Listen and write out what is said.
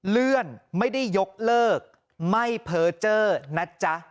เลื่อนไม่ได้ยกเลิกไม่เพอร์เจอร์นะจ๊ะ